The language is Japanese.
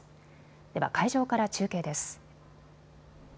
では会場から中継です。